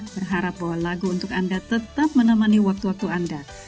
berharap bahwa lagu untuk anda tetap menemani waktu waktu anda